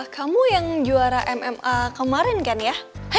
kamu yang juara mma kemarin kan ya